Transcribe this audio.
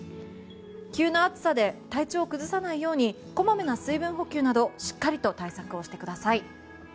急な暑さで体調を崩さないようにこまめな水分補給などしっかりと対策をしてください。